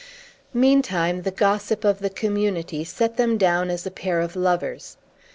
Meantime, the gossip of the Community set them down as a pair of lovers.